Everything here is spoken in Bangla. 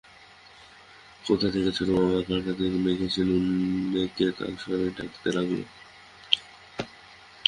কোথা থেকে ছোট মামা কাদাটাদা মেখে এসে নানুকে তারস্বরে ডাকতে লাগল।